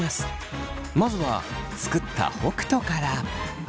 まずは作った北斗から。